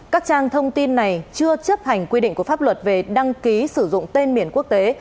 các trang thông tin này chưa chấp hành quy định của pháp luật về đăng ký sử dụng tên miền quốc tế